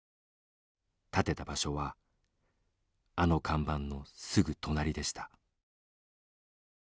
建てた場所はあの看板のすぐ隣でした。